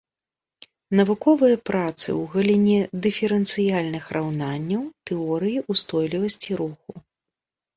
Навуковыя працы ў галіне дыферэнцыяльных раўнанняў, тэорыі ўстойлівасці руху.